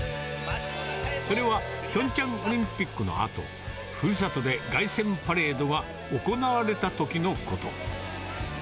それはピョンチャンオリンピックのあと、ふるさとで凱旋パレードが行われたときのこと。